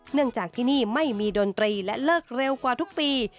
เนื่องจากที่นี่ไม่มีดนตรีและเลิกเร็วกว่าทุกปี